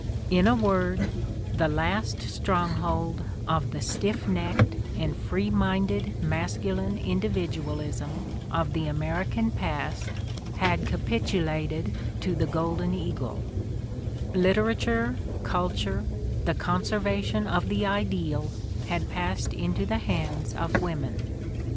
In a word, the last stronghold of the stiff necked and free minded masculine individual ism of the American past had capitulated to the golden eagle: literature, culture, the conservation of the ideal \ had passed into the hands of women.